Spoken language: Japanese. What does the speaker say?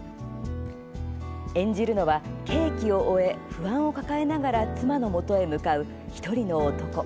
演じるのは、刑期を終え不安を抱えながら妻のもとへ向かう１人の男。